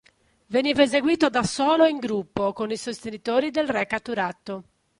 Veniva eseguito da solo o in gruppo con i sostenitori del re catturato.